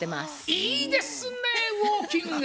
いいですねウォーキング！